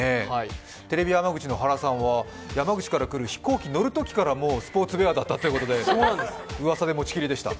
テレビ山口の原さんは山口から来る飛行機の中からもうスポーツウェアだったということで、うわさで持ちきりでした。